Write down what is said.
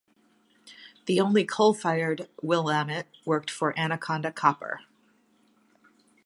The only coal-fired Willamette worked for Anaconda Copper.